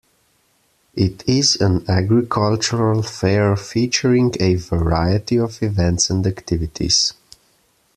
It is an agricultural fair featuring a variety of events and activities.